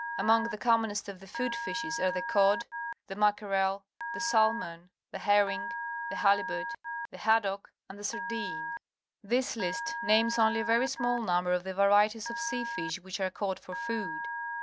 Among the commonest of the food fishes are the cod, the mackerel, the sahnon, the her ring, the hahbut, the haddock, and the sardine. This list names only a very small number of the varieties of sea fish which are caught for food.